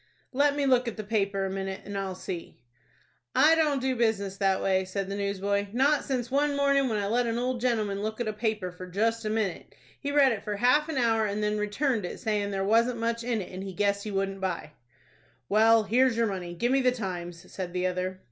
"Let me look at a paper a minute, and I'll see." "I don't do business that way," said the newsboy; "not since one morning when I let an old gentleman look at a paper just for a minute. He read it for half an hour, and then returned it, sayin' there wasn't much in it, and he guessed he wouldn't buy." "Well, here's your money. Give me the 'Times,'" said the other.